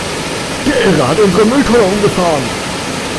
Der Irre hat unsere Mülltonne umgefahren!